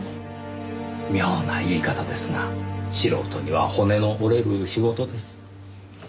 妙な言い方ですが素人には骨の折れる仕事です。